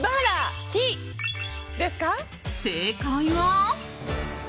正解は。